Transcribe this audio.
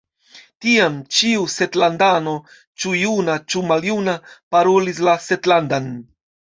Tiam, ĉiu ŝetlandano, ĉu juna, ĉu maljuna, parolis la ŝetlandan.